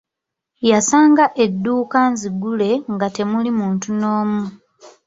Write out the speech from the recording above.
Yasanga edduuka nzigule nga temuli munu n'omu.